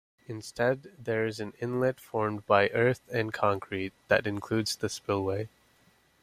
Instead, there is an inlet formed by earth and concrete, that includes the spillway.